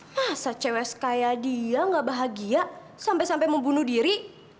masa cewek kayak dia gak bahagia sampai sampai membunuh diri